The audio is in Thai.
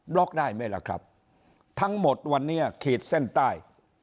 ล็อกได้ไหมล่ะครับทั้งหมดวันนี้ขีดเส้นใต้